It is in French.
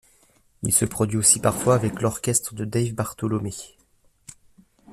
Il se produit aussi parfois avec l'orchestre de Dave Bartholomew.